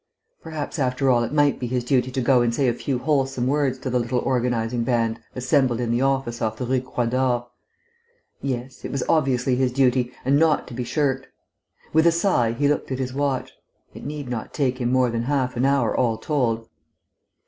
Perhaps, after all, it might be his duty to go and say a few wholesome words to the little organising band assembled in the office off the Rue Croix d'Or. Yes; it was obviously his duty, and not to be shirked. With a sigh he looked at his watch. It need not take him more than half an hour, all told.